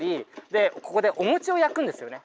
でここでお餅を焼くんですよね。